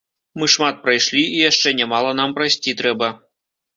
Мы шмат прайшлі, і яшчэ нямала нам прайсці трэба.